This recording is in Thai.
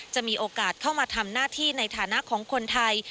จะมีโอกาสเข้ามาทำหน้าที่ในฐานะของคนไทย